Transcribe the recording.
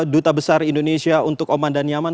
duta besar indonesia untuk oman dan yaman